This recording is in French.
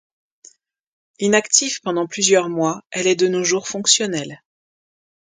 Inactive pendant plusieurs mois, elle est de nos jours fonctionnelle.